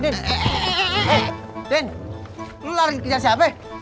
din lu lari kejar siapa